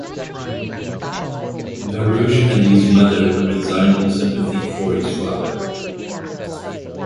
LaRouche and his mother resigned in sympathy for his father.